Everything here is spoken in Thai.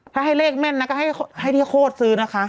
ถ้าให้เลขแม่นนะก็ให้พี่โคตรซื้อนะคะ